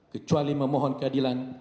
kecuali memohon keadilan